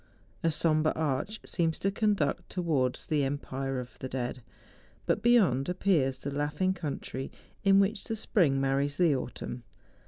A sombre arch seems to conduct towards the empire of the dead. But beyond appears the laughing^country in which the spring marries the autumn.